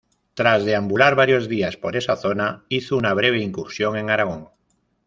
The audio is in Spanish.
Tras deambular varios días por esa zona, hizo una breve incursión en Aragón.